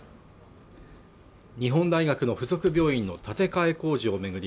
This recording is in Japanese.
日本大学の附属病院の建て替え工事を巡り